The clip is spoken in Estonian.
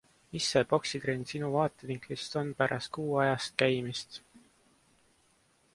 Mis see poksitrenn sinu vaatevinklist on pärast kuuajast käimist?